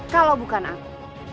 kalau bukan aku